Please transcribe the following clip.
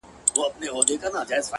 • غوږ سه ورته ـ